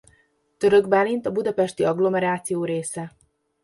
Törökbálint a budapesti agglomeráció része.